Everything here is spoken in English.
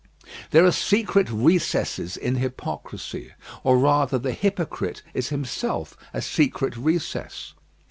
There are secret recesses in hypocrisy; or rather the hypocrite is himself a secret recess.